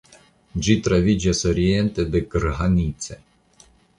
Ĝi troviĝas oriente de Krhanice.